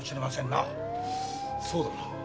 そうだな。